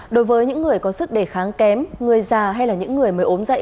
đối với những người có sức đề kháng kém người già hay là những người mới ốm dậy